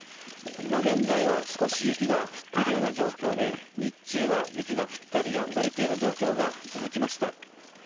今現在は少し雪が降っているような状態で日中は雪が降ったりやんだりという状況が続きました。